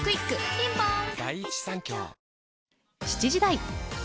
ピンポーン